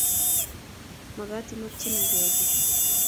Magaat imakchingee kiy